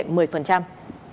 văn phòng cơ quan cảnh sát